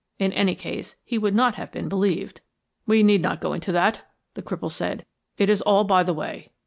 In any case, he would not have been believed. "We need not go into that," the cripple said. "It is all by the way.